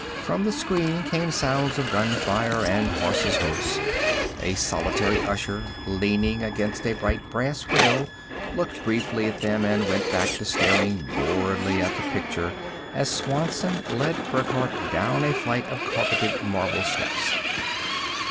From the screen came sounds of gunfire and horse's hoofs. A solitary usher, leaning against a bright brass rail, looked briefly at them and went back to staring boredly at the picture as Swanson led Burckhardt down a flight of carpeted marble steps.